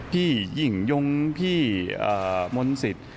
พี่ยิ่งยงพี่มนต์สิทธิ์